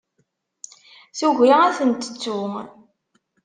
Tugi ad tent-tettu.